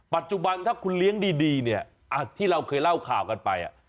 ปัจจุบันถ้าคุณเลี้ยงดีเนี่ยที่เราเคยเล่าข่าวกันไป